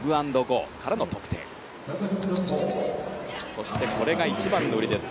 そしてこれが一番の売りです